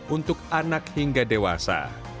untuk anak hingga dewasa